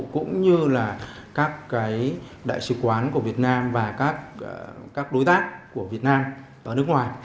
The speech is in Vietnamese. cũng như là các cái đại sứ quán của việt nam và các đối tác của việt nam ở nước ngoài